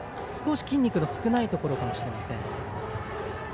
少し筋肉が少ないところかもしれません。